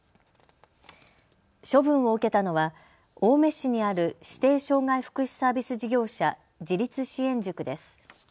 処分を受けたのは青梅市にある指定障害福祉サービス事業者自立支援塾です。